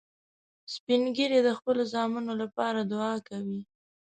سپین ږیری د خپلو زامنو لپاره دعا کوي